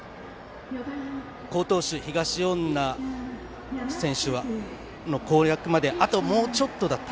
好投手・東恩納選手の攻略まであともうちょっとだった。